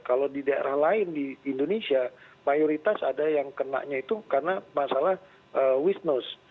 kalau di daerah lain di indonesia mayoritas ada yang kenanya itu karena masalah wisnus